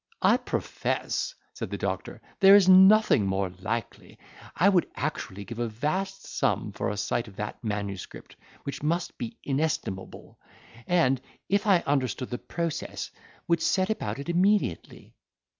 "I profess," said the doctor, "there is nothing more likely. I would actually give a vast sum for a sight of that manuscript, which must be inestimable; and, if I understood the process, would set about it immediately."